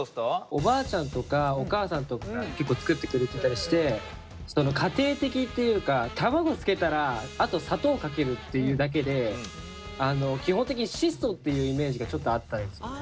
おばあちゃんとかお母さんとかが結構作ってくれてたりして家庭的っていうか卵つけたらあと砂糖かけるっていうだけで基本的に質素っていうイメージがちょっとあったんですよね。